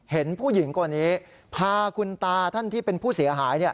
เห็นผู้หญิงคนนี้พาคุณตาท่านที่เป็นผู้เสียหาย